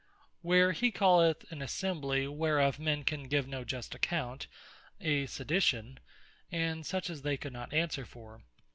Where he calleth an Assembly, whereof men can give no just account, a Sedition, and such as they could not answer for.